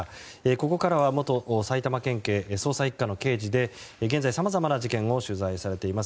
ここからは元埼玉県警捜査１課の刑事で現在さまざまな事件を取材されています